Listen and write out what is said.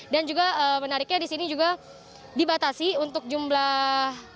dan juga menariknya di sini juga dibatasi untuk jumlah